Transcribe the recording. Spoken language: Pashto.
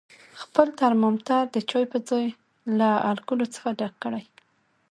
خپل ترمامتر د چای په ځای له الکولو څخه ډک کړئ.